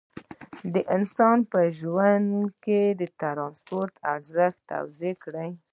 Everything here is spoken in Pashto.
د انسانانو په ژوند کې د ترانسپورت ارزښت توضیح کړئ.